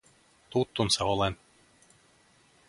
Tuttunsa olen.